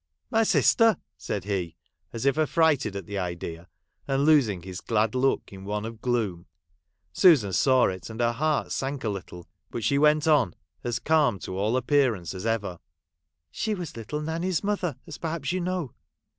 ' My sister !' said he, as if affrighted at the idea, and losing his glad look in one of gloom. Susan saw it, and her heart sank a little, but she went on as calm to all appearance as ever. ' She was little Nanny's mother, as perhaps you know.